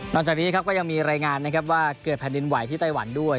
นอนจากนี้ก็ยังมีรายงานว่าเกิดแผ่นดินไหวที่ไต้หวันด้วย